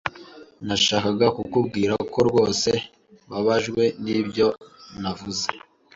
Nashakaga kukubwira ko rwose mbabajwe nibyo navuze.